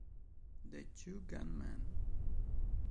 The Two-Gun Man